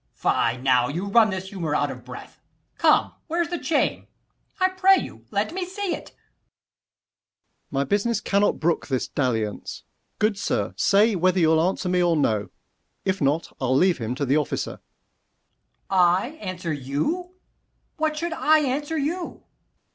Ant. E. Fie, now you run this humour out of breath. Come, where's the chain? I pray you, let me see it. Sec. Mer. My business cannot brook this dalliance. Good sir, say whether you'll answer me or no: 60 If not, I'll leave him to the officer. Ant. E. I answer you! what should I answer you?